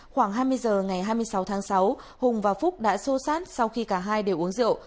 khoảng hai mươi giờ ngày hai mươi sáu tháng sáu hùng và phúc đã xô xát sau khi cả hai đều uống rượu